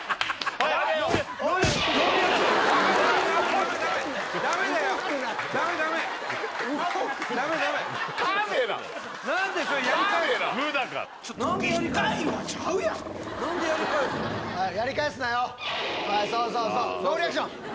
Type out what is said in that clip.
はいそうそうそうノーリアクション！